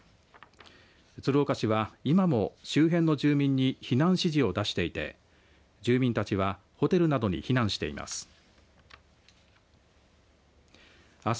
鶴岡市は今も周辺の住民に避難指示を出していて住民たちはホテルなどに避難しています。